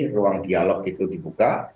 ruang dialog itu dibuka